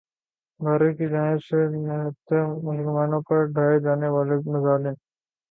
بھارت کی جانب سے نہتے مسلمانوں پر ڈھائے جانے والے مظالم